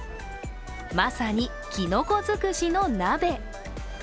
まさに、きのこ尽くしの鍋。